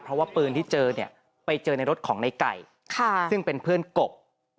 เพราะว่าปืนที่เจอเนี่ยไปเจอในรถของในไก่ซึ่งเป็นเพื่อนกบ